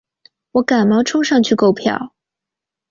我赶忙冲上去购票